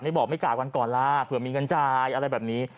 บอกไม่จ่ายวันก่อนล่ะเผื่อมีเงินจ่ายอะไรแบบนี้